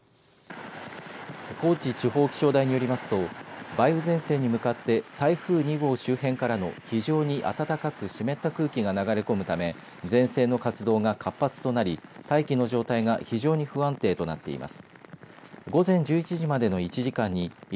高知地方気象台によりますと梅雨前線に向かって台風２号周辺からの非常に暖かく湿った空気が流れ込むため前線の活動が活発となり大気の状態が非常に不安定となっています。